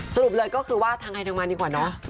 สรุปเลยก็คือว่าทางใครทางมันดีกว่าเนอะ